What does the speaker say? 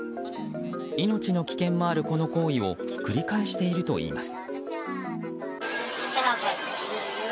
命の危険もあるこの行為を繰り返しているといいます。